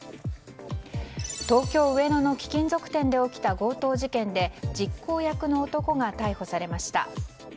東京・上野の貴金属店で起きた強盗事件で実行役の男が逮捕されました。